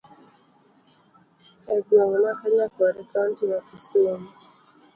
Egweng' ma kanyakwar e kaunti ma kisumo.